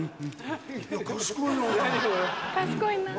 賢いな。